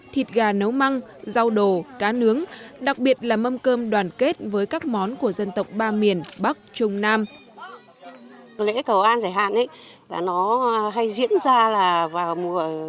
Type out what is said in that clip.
thịt gà nấu măng rau đồ cá nướng đặc biệt là mâm cơm đoàn kết với các món của dân tộc ba miền bắc trung nam